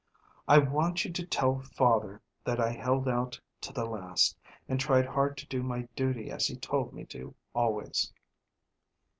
"I want you to tell father that I held out to the last, and tried hard to do my duty as he told me to always."